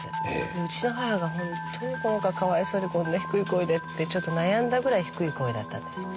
うちの母が、本当にこの子はこんな低い声でってちょっと悩んだぐらい低い声だったんです。